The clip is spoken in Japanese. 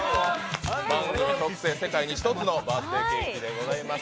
番組特製、世界に一つのバースデーケーキでございます。